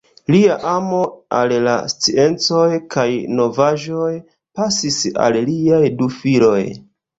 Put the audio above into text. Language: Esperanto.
Lia amo al la sciencoj kaj novaĵoj pasis al liaj du filoj.